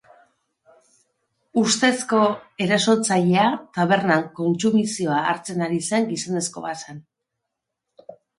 Ustezko erasotzailea tabernan kontsumizioa hartzen ari zen gizonezko bat zen.